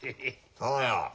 そうよ。